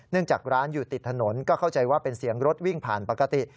จากร้านอยู่ติดถนนก็เข้าใจว่าเป็นเสียงรถวิ่งผ่านปกติ